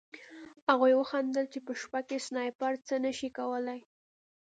هغوی وخندل چې په شپه کې سنایپر څه نه شي کولی